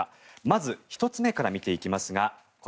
まず１つ目から見ていきます。